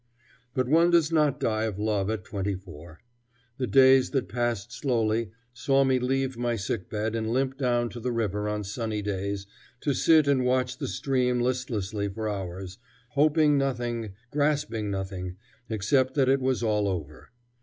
But one does not die of love at twenty four. The days that passed slowly saw me leave my sick bed and limp down to the river on sunny days, to sit and watch the stream listlessly for hours, hoping nothing, grasping nothing, except that it was all over.